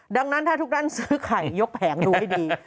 ดังนั้นถ้าทุกท่านซื้อไข่ยกแผงดูให้ดี